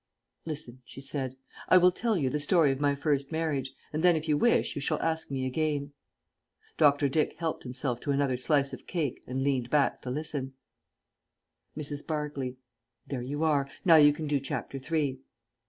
"Listen," she said. "I will tell you the story of my first marriage, and then if you wish you shall ask me again." Dr. Dick helped himself to another slice of cake and leant back to listen. [_Mrs. Barclay. There you are. Now you can do Chapter Three.